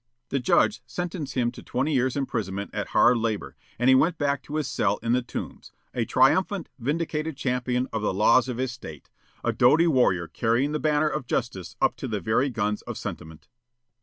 The judge sentenced him to twenty years imprisonment at hard labor, and he went back to his cell in the Tombs, a triumphant, vindicated champion of the laws of his State, a doughty warrior carrying the banner of justice up to the very guns of sentiment.